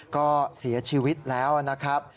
ก็เสียชีวิตแล้วนะครับ